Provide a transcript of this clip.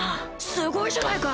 すごいじゃないか！